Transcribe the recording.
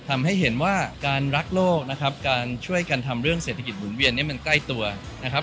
ทำให้เห็นว่าการรักโลกนะครับการช่วยกันทำเรื่องเศรษฐกิจหมุนเวียนเนี่ยมันใกล้ตัวนะครับ